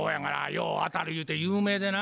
よう当たるゆうて有名でな。